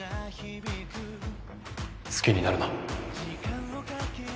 好きになるな。